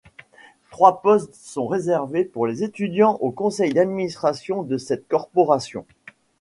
Trois postes sont réservés pour les étudiants au Conseil d’administration de cette Corporation.